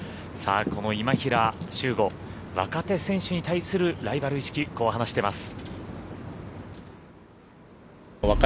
この今平周吾若手選手に対するライバル意識こう話しています。